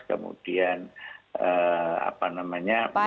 kemudian apa namanya